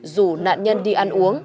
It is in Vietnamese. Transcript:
rủ nạn nhân đi ăn uống